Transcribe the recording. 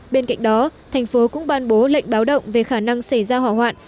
bên cạnh đó thành phố cũng ban bố lệnh báo động về khả năng xảy ra hỏa hoạn